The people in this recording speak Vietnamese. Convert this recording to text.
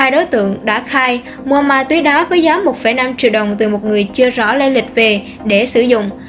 hai đối tượng đã khai mua ma túy đá với giá một năm triệu đồng từ một người chưa rõ lây lịch về để sử dụng